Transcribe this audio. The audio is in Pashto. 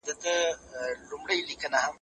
د منځنۍ پېړۍ دوره د بشري تاريخ يو اوږد مزل دی.